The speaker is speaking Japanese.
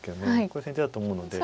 これ先手だと思うので。